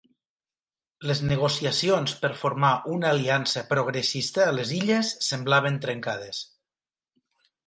Les negociacions per formar una aliança progressista a les Illes semblaven trencades.